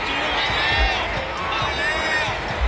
มาแล้วครับพี่น้อง